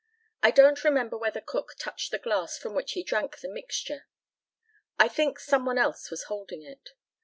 I don't remember whether Cook touched the glass from which he drank the mixture. I think some one else was holding it.